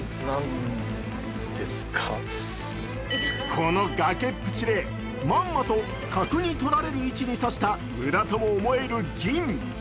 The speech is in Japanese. この崖っぷちでまんまと角にとられる手を指した裏とも思える銀。